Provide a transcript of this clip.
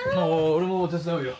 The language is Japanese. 俺も手伝うよ。